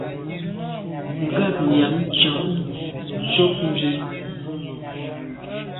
Ngabnyàm tshàm ntshob ndù.